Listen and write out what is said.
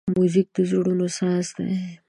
موزیک د زړونو ساز دی.